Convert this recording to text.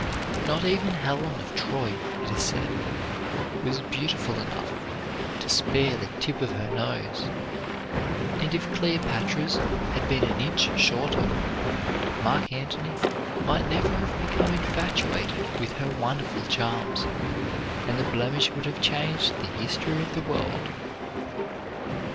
Not even Helen of Troy, it is said, was beautiful enough to spare the tip of her nose; and if Cleopatra's had been an inch shorter Mark Antony might never have become infatuated with her wonderful charms, and the blemish would have changed the history of the world.